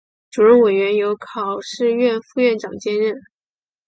主任委员由考试院副院长兼任。